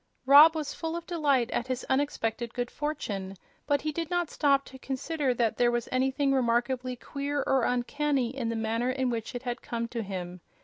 Rob was full of delight at his unexpected good fortune; but he did not stop to consider that there was anything remarkably queer or uncanny in the manner in which it had come to him.